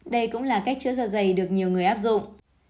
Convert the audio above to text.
đây cũng là cách chữa da dày được nhiều người áp dụng